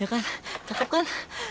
ya kan cakep kan